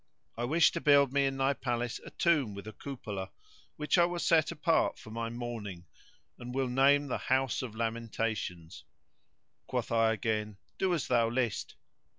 —I wish to build me in thy palace a tomb with a cupola, which I will set apart for my mourning and will name the House of Lamentations.[FN#125] Quoth I again:—Do as thou list!